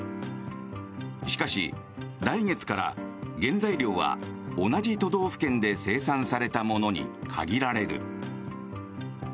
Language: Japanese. しかし、来月から原材料は同じ都道府県で生産されたものに限られる。